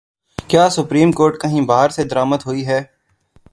کیا supreme court کہیں باہر سے درآمد ہوئی ہے؟